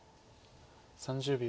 ３０秒。